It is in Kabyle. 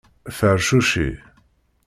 Fercuci.